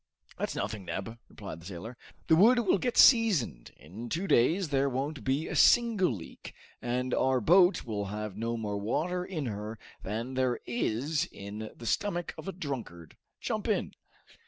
"That's nothing, Neb," replied the sailor; "the wood will get seasoned. In two days there won't be a single leak, and our boat will have no more water in her than there is in the stomach of a drunkard. Jump in!"